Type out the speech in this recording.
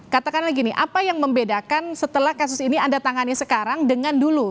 katakanlah gini apa yang membedakan setelah kasus ini anda tangani sekarang dengan dulu